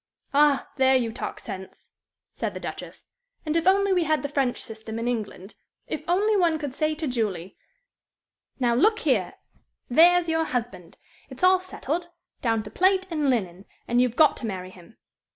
"Ah, there you talk sense," said the Duchess. "And if only we had the French system in England! If only one could say to Julie: 'Now look here, there's your husband! It's all settled down to plate and linen and you've got to marry him!'